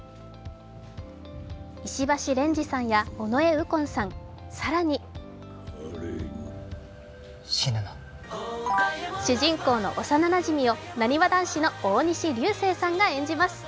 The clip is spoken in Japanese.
石橋蓮司さんや尾上右近さん、更に主人公の幼なじみをなにわ男子の大西流星さんが演じます。